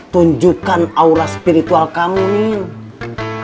tunjukkan aura spiritual kamu niel